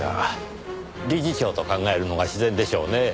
理事長と考えるのが自然でしょうねぇ。